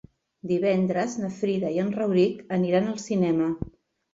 Divendres na Frida i en Rauric aniran al cinema.